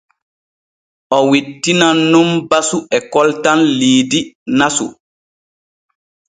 O wittinan nun basu e koltal liidi nasu.